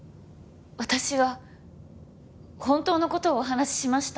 私は本当の事をお話ししました。